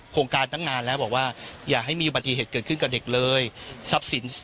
โครงการตั้งนานแล้วบอกว่าอย่าให้มีอุบัติเหตุเกิดขึ้นกับเด็กเลยทรัพย์สิน